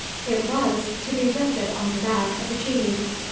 It was to be lifted on the back of a genie.